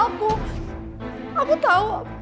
aku tau aku tau